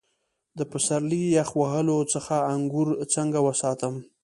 د پسرلي یخ وهلو څخه انګور څنګه وساتم؟